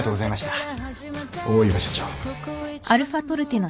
大岩社長。